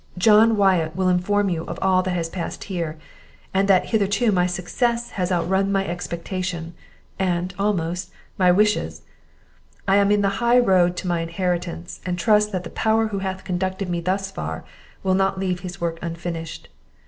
John Wyatt will inform you of all that has passed here, and that hitherto my success has outrun my expectation, and, almost, my wishes. I am in the high road to my inheritance; and trust that the Power who hath conducted me thus far, will not leave his work unfinished.